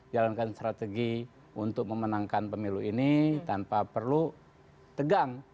jalankan strategi untuk memenangkan pemilu ini tanpa perlu tegang